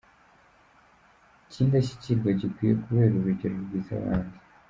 cy’indashyikirwa gikwiye kubera urugero rwiza abandi.